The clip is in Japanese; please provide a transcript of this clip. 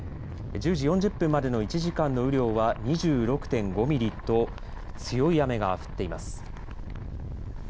１０時４０分までの１時間の雨量は２６．５ミリと強い雨が降っています。